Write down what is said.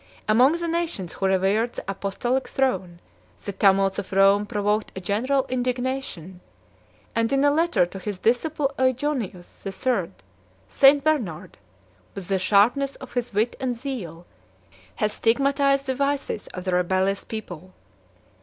Among the nations who revered the apostolic throne, the tumults of Rome provoked a general indignation; and in a letter to his disciple Eugenius the Third, St. Bernard, with the sharpness of his wit and zeal, has stigmatized the vices of the rebellious people.